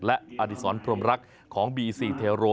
และอดิษรพรมรักของบีซีเทโร